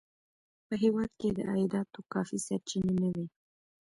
په هېواد کې د عایداتو کافي سرچینې نه وې.